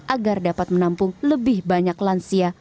agar dapat menampung lebih banyak lansia